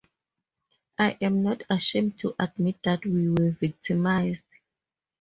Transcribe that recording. I am not ashamed to admit that we were victimized.